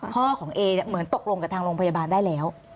พ่อของเอเหมือนตกลงกับทางโรงพยาบาลได้แล้ว